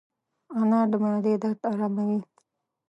انار د معدې درد اراموي.